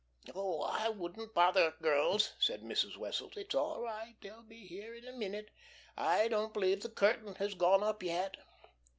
"Oh, I wouldn't bother, girls," said Mrs. Wessels. "It's all right. They'll be here in a minute. I don't believe the curtain has gone up yet."